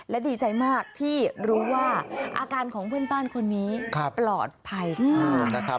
และดีใจมากที่รู้ว่าอาการของเพื่อนบ้านคนนี้ปลอดภัยค่ะ